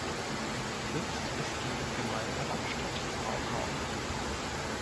Sitz ist die Gemeindehauptstadt Baucau.